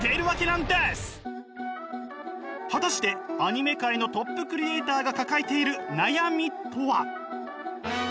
果たしてアニメ界のトップクリエーターが抱えている悩みとは？